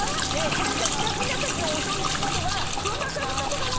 これじゃあひたちなか市のおしょうゆってことは黒澤さんのところの。